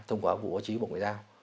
thông qua vụ báo chí bộ ngoại giao